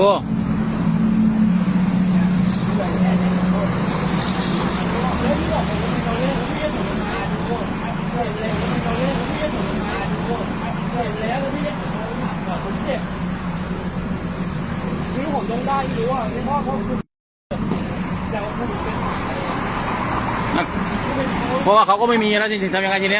เพราะว่าเขาก็ไม่มีนะจริงทำยังไงทีนี้